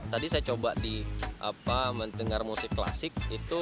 tadi saya coba mendengar musik klasik itu